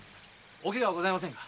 お怪我はございませんか？